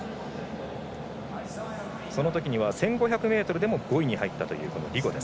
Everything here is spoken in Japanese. そのときには１５００ｍでも５位に入ったというリゴです。